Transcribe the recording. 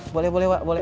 boleh boleh wak boleh